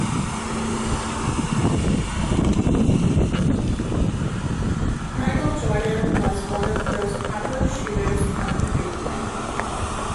Michael Jordan was one of the most popular shooters of the fadeaway.